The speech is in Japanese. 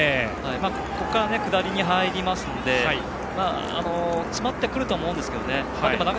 ここから下りに入りますので詰まってくるとは思いますがで